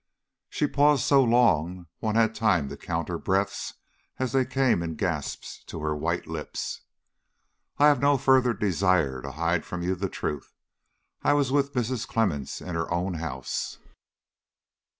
She paused so long one had time to count her breaths as they came in gasps to her white lips. "I have no further desire to hide from you the truth. I was with Mrs. Clemmens in her own house."